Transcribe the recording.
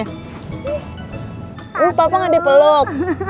oh papa gak dipeluk